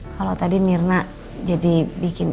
kalau tadi mirna jadi bikin